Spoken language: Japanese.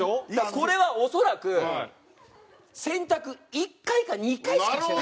これは恐らく洗濯１回か２回しかしてない。